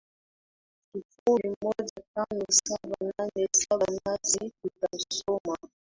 sufuri moja tano saba nne saba nasi tutausoma